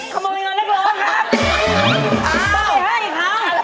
ขมือยงานนักร้องครับ